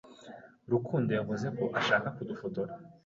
Rukundo yavuze ko ashaka kudufotora.